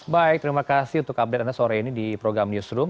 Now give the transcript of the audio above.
baik terima kasih untuk update anda sore ini di program newsroom